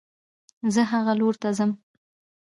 زه هغه لور ته ځم